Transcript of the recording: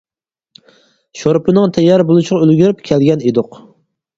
شورپىنىڭ تەييار بولۇشىغا ئۈلگۈرۈپ كەلگەن ئىدۇق.